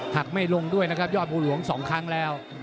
หักไม่ลงด้วยนะครับยอดบัวหลวง๒ครั้งแล้ว